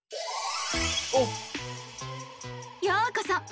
ようこそ！